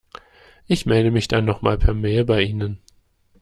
Ich melde mich dann noch mal per Mail bei Ihnen.